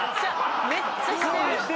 めっちゃしてる。